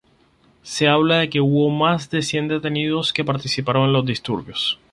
Se habla de que hubo más de cien detenidos que participaron en los disturbios.